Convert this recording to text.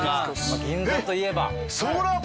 銀座といえば。